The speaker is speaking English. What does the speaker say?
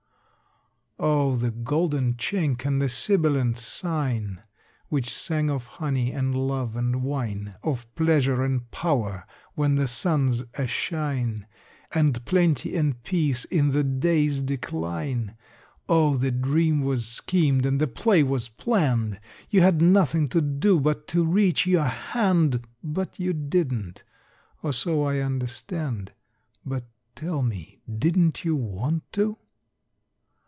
Oh, the golden chink and the sibilant sign Which sang of honey and love and wine, Of pleasure and power when the sun's a shine And plenty and peace in the day's decline! Oh, the dream was schemed and the play was planned; You had nothing to do but to reach your hand, But you didn't (or so I understand), But tell me didn't you want to?